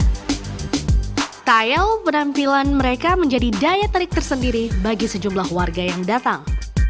thaiel penampilan mereka menjadi daya tarik tersendiri bagi sejumlah warga yang datang